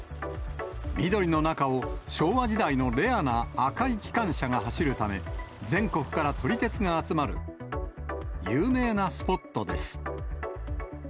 緑の中を昭和時代のレアな赤い機関車が走るため、全国から撮り鉄が集まる有名なスポットです。